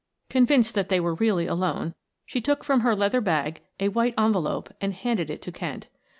Convinced that they were really alone, she took from her leather hand bag a white envelope and handed it to Kent.